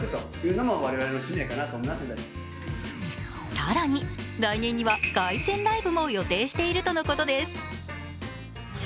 更に来年には凱旋ライブも予定しているということです。